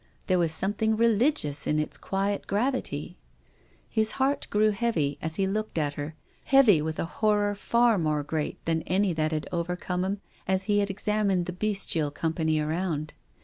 There was something re ligious in its quiet gravity. His heart grew heavy as he looked at her, heavy with a horror far more great than any that had overcome him as he examined the bestial company around.